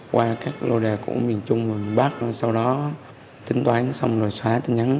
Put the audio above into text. qua các lô đề của miền trung và miền bắc sau đó tính toán xong rồi xóa tên nhắn